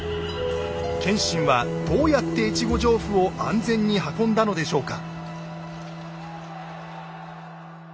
謙信はどうやって越後上布を安全に運んだのでしょうか？